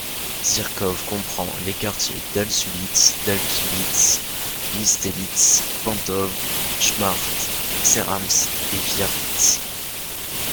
Zirkow comprend les quartiers d'Alt Süllitz, Dalkvitz, Nistelitz, Pantow, Schmacht, Serams et Viervitz.